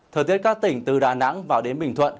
thời tiết các tỉnh từ đà nẵng vào đến bình thuận